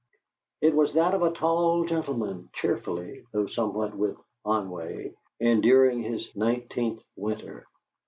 It was that of a tall gentleman, cheerfully, though somewhat with ennui, enduring his nineteenth winter.